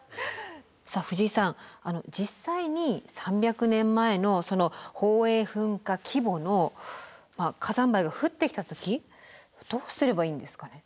さあ藤井さん実際に３００年前の宝永噴火規模の火山灰が降ってきた時どうすればいいんですかね？